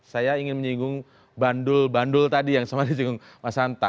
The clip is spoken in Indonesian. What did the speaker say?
saya ingin menyinggung bandul bandul tadi yang semuanya di singgung mas hanta